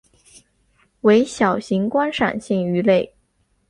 为小型观赏性鱼类。